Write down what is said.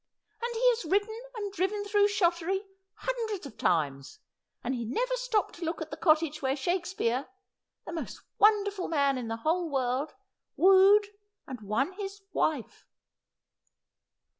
' And he has ridden and driven through Shottery hundreds of times, and he never stopped to look at the cottage where Shakespeare — the most wonderful man in the whole world — wooed and won his wife.'